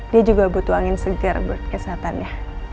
dia juga butuh angin segar buat kesehatannya